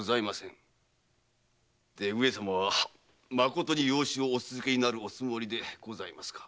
で上様はまことに養子をお続けになるおつもりですか？